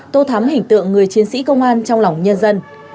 tô thắm hình tượng người chiến sĩ công an trong lòng nhân dân